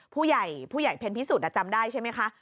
ผู้ใหญ่เพ็ญพิสุทธิ์จำได้ใช่ไหมคะ